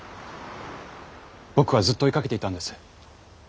僕はずっと追いかけていたんです。